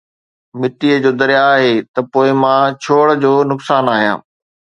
مئي جو درياءُ آهي ته پوءِ مان ڇوڙ جو نقصان آهيان